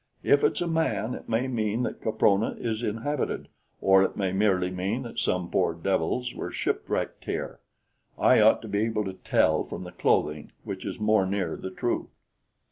"If it's a man, it may mean that Caprona is inhabited, or it may merely mean that some poor devils were shipwrecked here. I ought to be able to tell from the clothing which is more near the truth.